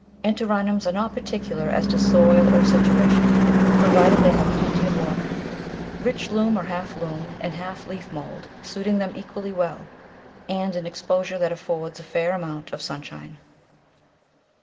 Antirrhinums are not particular as to soil or sit uation, provided they have plenty of water; rich loam or half loam and half leaf mould suiting them equally well, and any exposure that affords a fair amount of sunshine.